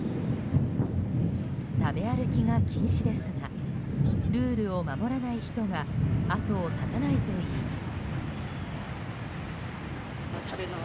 食べ歩きが禁止ですがルールを守らない人が後を絶たないといいます。